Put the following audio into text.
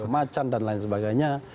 macan dan lain sebagainya